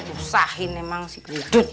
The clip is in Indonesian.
usahin emang si hidup